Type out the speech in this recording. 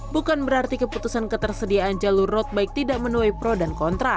bukan berarti keputusan ketersediaan jalur road bike tidak menuai pro dan kontra